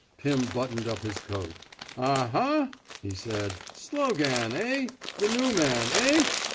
Pim buttoned up his coat. Ah hah? " he said. Slogan, eh? The new man, eh?